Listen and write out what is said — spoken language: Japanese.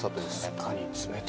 確かに冷たい。